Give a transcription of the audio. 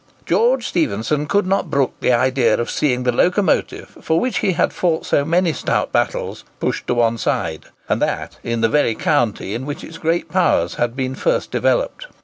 George Stephenson could not brook the idea of seeing the locomotive, for which he had fought so many stout battles, pushed to one side, and that in the very county in which its great powers had been first developed.